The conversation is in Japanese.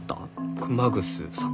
熊楠さん。